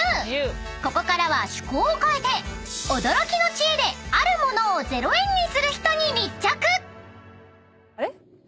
［ここからは趣向を変えて驚きの知恵であるものを０円にする人に密着］